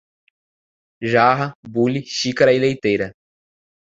Jarra, bule, xícara e leiteira